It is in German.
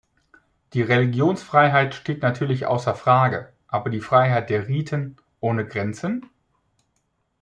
Die Religionsfreiheit steht natürlich außer Frage, aber die Freiheit der Riten, ohne Grenzen?